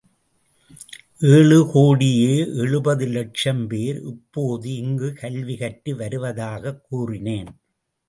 ஏழு கோடியே எழுபது இலட்சம் பேர் இப்போது இங்குக் கல்வி கற்று வருவதாகக் கூறினேன்.